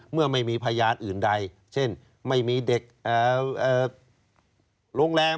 เมื่อไม่มีพยานอื่นใดเช่นไม่มีเด็กโรงแรม